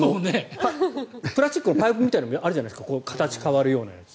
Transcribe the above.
プラスチックのパイプみたいなのがあるじゃないですか形が変わるやつ。